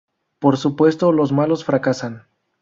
Por supuesto, los malos fracasan.